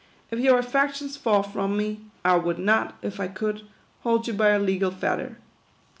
If your affections fall from nie, I would not, if I could, hold you by a legal fetter."